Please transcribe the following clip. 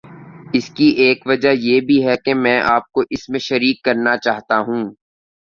اس کی ایک وجہ یہ بھی ہے کہ میں آپ کو اس میں شریک کرنا چاہتا ہوں۔